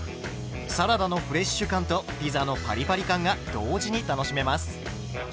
サラダのフレッシュ感とピザのパリパリ感が同時に楽しめます。